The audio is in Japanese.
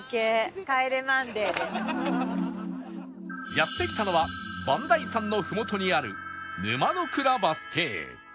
やって来たのは磐梯山のふもとにある沼の倉バス停